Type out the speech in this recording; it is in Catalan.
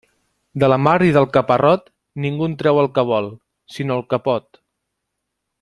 De la mar i del caparrot, ningú en treu el que vol, sinó el que pot.